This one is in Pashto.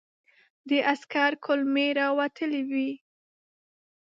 د عسکر کولمې را وتلې وې.